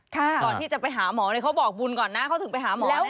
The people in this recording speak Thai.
ก่อนที่จะไปหาหมอเลยเขาบอกบุญก่อนนะเขาถึงไปหาหมอแล้ว